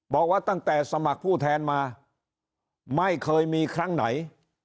บอกว่าตั้งแต่สมัครผู้แทนมาไม่เคยมีครั้งไหน